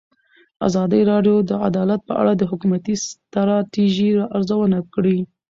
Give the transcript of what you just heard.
ازادي راډیو د عدالت په اړه د حکومتي ستراتیژۍ ارزونه کړې.